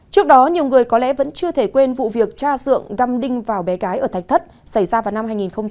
trước đó nhiều người có lẽ vẫn chưa thể quên vụ việc cha sượng đăm đinh vào bé gái ở thạch thất xảy ra vào năm hai nghìn hai mươi hai